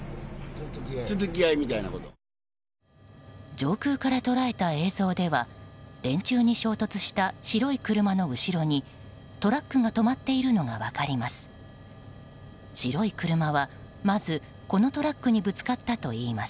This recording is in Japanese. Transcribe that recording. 上空から捉えた映像では電柱に衝突した白い車の後ろにトラックが止まっているのが分かります。